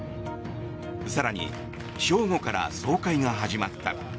更に、正午から総会が始まった。